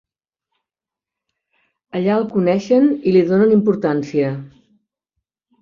Allà el coneixen i li donen importància.